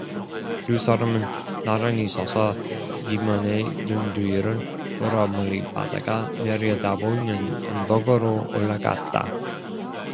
두 사람은 나란히 서서 기만의 등뒤를 돌아 멀리 바다가 내려다보이는 언덕으로 올라갔다.